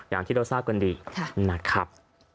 อย่างที่เราทราบกันดีนะครับ